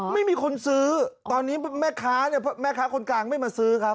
ไม่มีคนซื้อตอนนี้แม่ค้าคนกลางไม่มาซื้อครับ